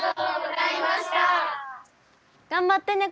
頑張ってね